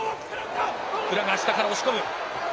宇良が下から押し込む。